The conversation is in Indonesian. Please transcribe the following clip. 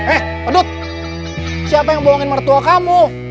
eh aduh siapa yang bohongin mertua kamu